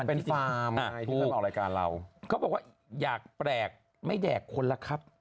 เป็นฟาร์มไงที่เขาบอกรายการเรา